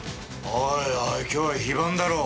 おいおい今日は非番だろ。